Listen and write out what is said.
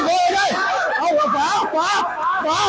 แม่งโอ้วววฟ้าฟ้า